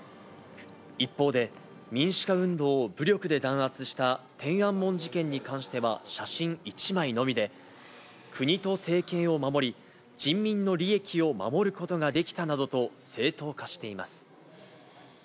一方で、民主化運動を武力で弾圧した天安門事件に関しては写真１枚のみで、国と政権を守り、人民の利益を守ることができたなどと正当化しています。